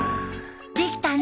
できたね。